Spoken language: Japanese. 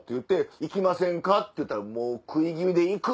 「行きませんか？」って言うたらもう食い気味で「行く！」